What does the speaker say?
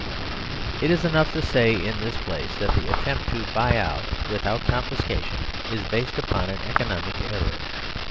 It is enough to say in this place that the attempt to " buy out " without confiscation is based upon an economic error.